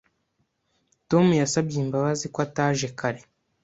Tom yasabye imbabazi ko ataje kare.